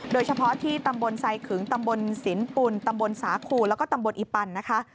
โดยเฉพาะที่ตำบลไซขึงตำบลสินปุ่นตำบลสาคูแล้วก็ตำบลอีปันนะคะ